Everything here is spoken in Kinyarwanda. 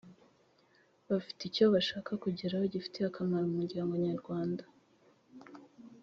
bafite icyo bashaka kugeraho gifitiye akamaro umuryango nyarwanda